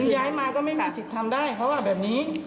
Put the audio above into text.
ย้ายมาก็ไม่มีสิทธิ์ทำได้เขาว่าแบบนี้